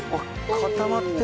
固まってる。